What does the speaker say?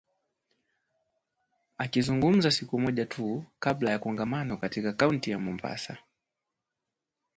Akizungumza siku moja tu kabla ya kongamano katika kaunti ya Mombasa